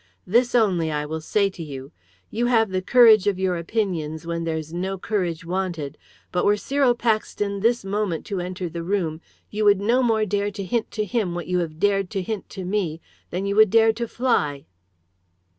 This only I will say to you. You have the courage of your opinions when there's no courage wanted, but were Cyril Paxton this moment to enter the room you would no more dare to hint to him what you have dared to hint to me, than you would dare to fly."